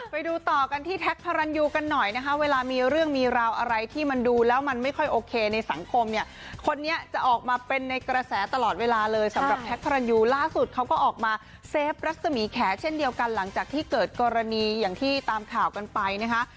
ไปดูต่อกันที่แท็กพารันยูกันหน่อยนะคะเวลามีเรื่องมีราวอะไรที่มันดูแล้วมันไม่ค่อยโอเคในสังคมเนี่ยคนนี้จะออกมาเป็นในกระแสตลอดเวลาเลยสำหรับแท็กพระรันยูล่าสุดเขาก็ออกมาเซฟรัศมีแขเช่นเดียวกันหลังจากที่เกิดกรณีอย่างที่ตามข่าวกันไปนะคะ